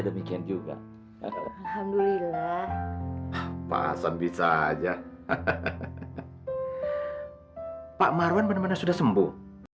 demikian juga alhamdulillah pasang bisa aja hahaha pak marwan bener bener sudah sembuh